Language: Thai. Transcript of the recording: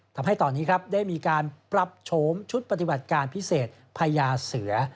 ทำให้ตอนนี้ครับได้มีการปรับโฉมชุดปฏิบัติการพิเศษพญาเสือ